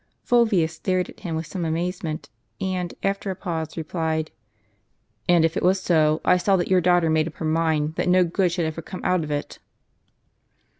Fulvius stared at him, with some amazement; and, after a pause, replied :" And if it was so, I saw that your daughter made up her mind, that no good should ever come out of it."